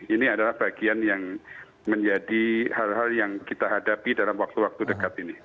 ini adalah bagian yang menjadi hal hal yang kita hadapi dalam waktu waktu dekat ini